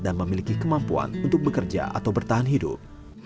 memiliki kemampuan untuk bekerja atau bertahan hidup